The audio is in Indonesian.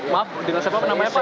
maaf dengan siapa namanya pak